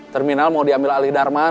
terminal mau diambil alih dharma